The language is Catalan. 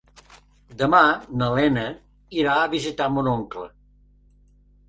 Demà na Lena irà a visitar mon oncle.